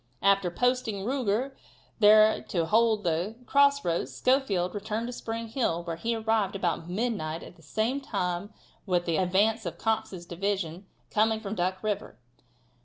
After posting Ruger there to hold the cross roads Schofield returned to Spring Hill, where he arrived about midnight at the same time with the advance of Cox's division coming from Duck river.